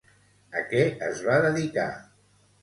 A què es va dedicar?